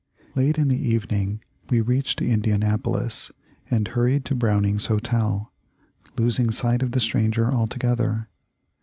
Late in the evening we reached Indian apolis, and hurried to Browning's hotel, losing sight of the stranger altogether.